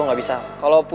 jangan kata kata lu